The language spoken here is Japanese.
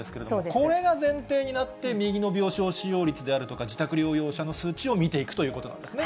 これが前提になって、右の病床使用率であるとか、自宅療養者の数値を見ていくということなんですね。